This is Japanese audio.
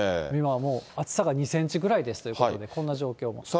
今はもう、厚さは２センチぐらいですということで、こんな状況が。